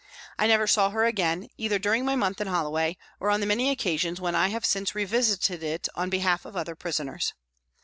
I never saw her again, either during my month in Holloway or on the many occasions when I have since revisited it on behalf of other prisoners.